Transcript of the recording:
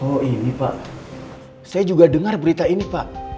oh ini pak saya juga dengar berita ini pak